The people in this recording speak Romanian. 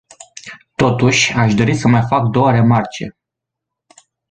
Totuși, aș dori să mai fac două remarce.